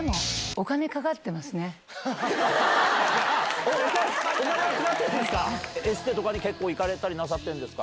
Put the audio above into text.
お金がかかってるんですか！